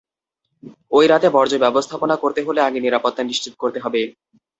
তাই রাতে বর্জ্য ব্যবস্থাপনা করতে হলে আগে নিরাপত্তা নিশ্চিত করতে হবে।